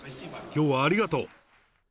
きょうはありがとう。